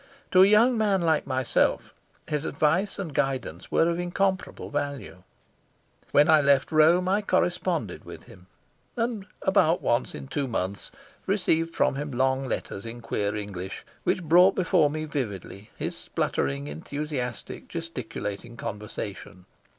To a young man like myself his advice and guidance were of incomparable value. When I left Rome I corresponded with him, and about once in two months received from him long letters in queer English, which brought before me vividly his spluttering, enthusiastic, gesticulating conversation.